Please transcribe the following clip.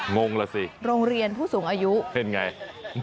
งงแล้วสิโรงเรียนผู้สูงอายุ